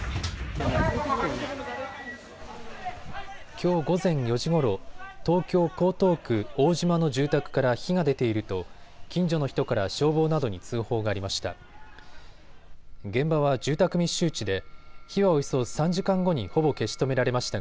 きょう午前４時ごろ、東京江東区大島の住宅から火が出ていると近所の人から消防などに通報がありました。